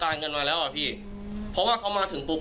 น้องคนที่ออกมาพูดอ่ะมาพูดได้ไงว่าลืมกฎยืนยัน